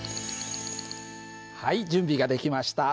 はい準備ができました。